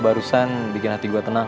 barusan bikin hati gue tenang